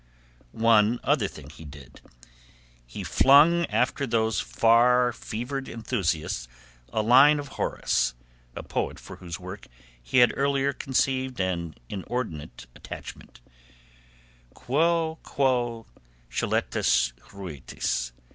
One other thing he did. He flung after those war fevered enthusiasts a line of Horace a poet for whose work he had early conceived an inordinate affection: "Quo, quo, scelesti, ruitis?"